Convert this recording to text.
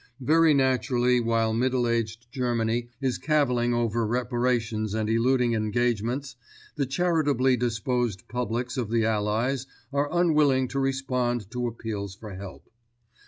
Very naturally while middle aged Germany is caviling over reparations and eluding engagements, the charitably disposed publics of the Allies are unwilling to respond to appeals for help.